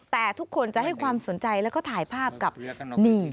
แต่ทุกคนจะให้ความสนใจแล้วก็ถ่ายภาพกับนี่